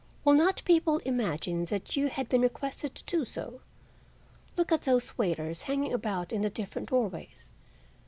Will not people imagine that you have been requested to do so? Look at those waiters hanging about in the different doorways.